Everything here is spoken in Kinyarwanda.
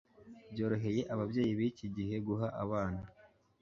byoroheye ababyeyi biki gihe guha abana